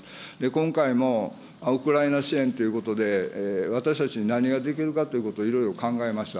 今回もウクライナ支援ということで、私たちに何ができるかということをいろいろ考えました。